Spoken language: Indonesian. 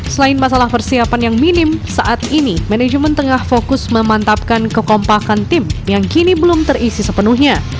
selain masalah persiapan yang minim saat ini manajemen tengah fokus memantapkan kekompakan tim yang kini belum terisi sepenuhnya